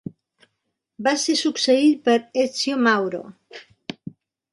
Va ser succeït per Ezio Mauro.